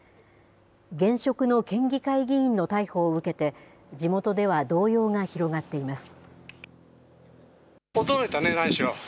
現職の県議会議員の逮捕を受けて、地元では動揺が広がっています。